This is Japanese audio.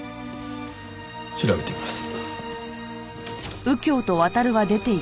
調べてみます。